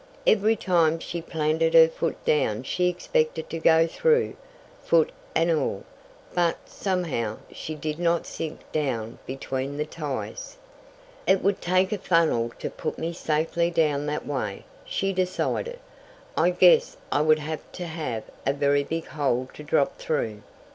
Every time she planted her foot down she expected to go through, foot and all, but, somehow, she did not sink down between the ties. "It would take a funnel to put me safely down that way," she decided. "I guess I would have to have a very big hole to drop through."